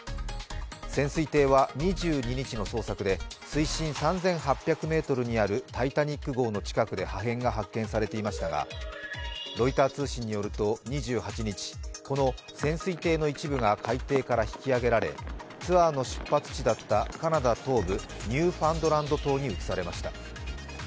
潜水艇は２２日の捜索で水深３８００ｍにある「タイタニック」号の近くで破片が発見されていましたがロイター通信によると２８日、この潜水艇の一部が海底から引き揚げられ、ツアーの出発地だった、カナダ東部ニューファンドランド島に移されました。